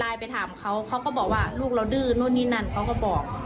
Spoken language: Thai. ไปถามเขาเขาก็บอกว่าลูกเราดื้อนู่นนี่นั่นเขาก็บอก